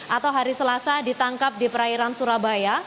atau hari selasa ditangkap di perairan surabaya